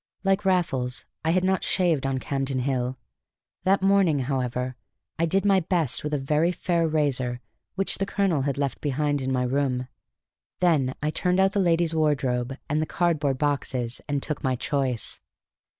Like Raffles, I had not shaved on Campden Hill. That morning, however, I did my best with a very fair razor which the colonel had left behind in my room; then I turned out the lady's wardrobe and the cardboard boxes, and took my choice.